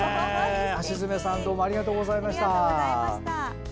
橋爪さんありがとうございました。